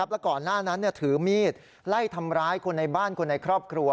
แล้วก่อนหน้านั้นถือมีดไล่ทำร้ายคนในบ้านคนในครอบครัว